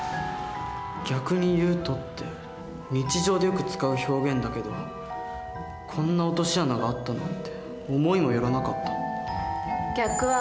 「逆に言うと」って日常でよく使う表現だけどこんな落とし穴があったなんて思いも寄らなかった。